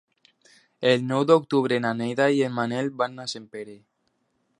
El nou d'octubre na Neida i en Manel van a Sempere.